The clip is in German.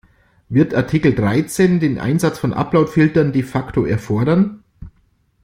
Wird Artikel Dreizehn den Einsatz von Upload-Filtern de facto erfordern?